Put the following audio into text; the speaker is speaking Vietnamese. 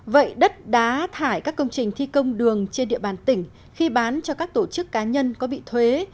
vậy đất đá thải các công trình thi công đường trên địa bàn tỉnh khi bán cho các tổ chức cá nhân có bị thuế